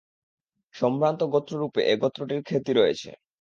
সম্ভ্রান্ত গোত্ররূপে এ গোত্রটির খ্যাতি রয়েছে।